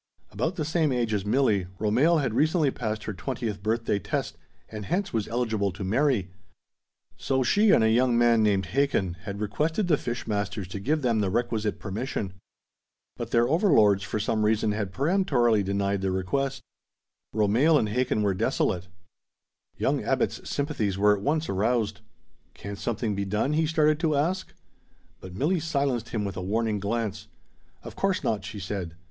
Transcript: About the same age as Milli, Romehl had recently passed her twentieth birthday test and hence was eligible to marry; so she and a young man named Hakin had requested the fish masters to give them the requisite permission. But their overlords for some reason had peremptorily denied the request. Romehl and Hakin were desolate. Young Abbot's sympathies were at once aroused. "Can't something be done?" he started to ask. But Milli silenced him with a warning glance. "Of course not!" she said.